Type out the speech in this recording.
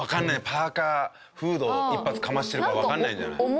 パーカフードを一発かましてるからわかんないんじゃない？